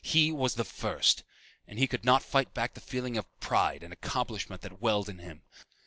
He was the first! And he could not fight back the feeling of pride and accomplishment that welled in him.